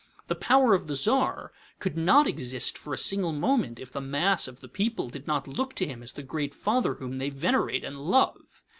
The power of the Czar could not exist for a single moment if the mass of the people did not look to him as the great father whom they venerate and love.